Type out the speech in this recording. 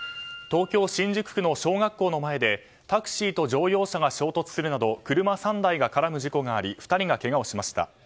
東京・新宿区の小学校の前でタクシーと乗用車が衝突するなど車３台が絡む事故があり２人がけがをしました。